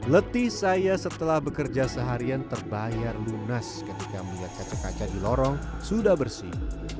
letih saya setelah bekerja seharian terbayar lunas ketika melihat kaca kaca di lorong sudah bersih